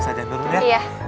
saya jalan dulu deh